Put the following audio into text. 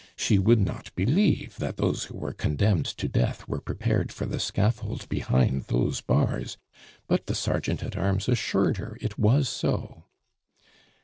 She would not believe that those who were condemned to death were prepared for the scaffold behind those bars; but the sergeant at arms assured her it was so.